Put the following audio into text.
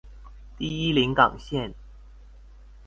第一臨港線